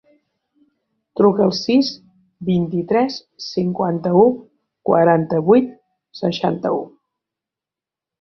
Truca al sis, vint-i-tres, cinquanta-u, quaranta-vuit, seixanta-u.